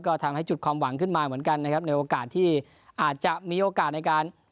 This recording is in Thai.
ก็ทำให้จุดความหวังขึ้นมาเหมือนกันนะครับในโอกาสที่อาจจะมีโอกาสในการ